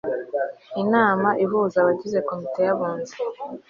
inama ihuza abagize komite y'abunzi